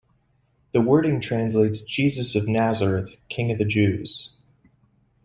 The wording translates "Jesus of Nazareth King of the Jews".